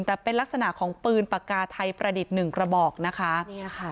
แต่เป็นลักษณะของปืนปากกาไทยประดิษฐ์หนึ่งกระบอกนะคะ